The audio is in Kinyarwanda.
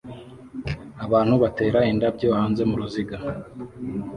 Abantu batera indabyo hanze muruziga